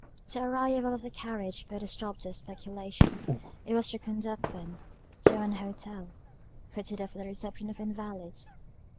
The arrival of the carriage put a stop to her speculations; it was to conduct them to an hotel, fitted up for the reception of invalids.